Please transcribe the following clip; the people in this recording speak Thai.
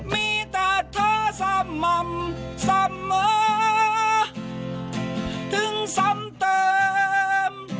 มีแต่เธอสม่ำเสมอถึงซ้ำเติม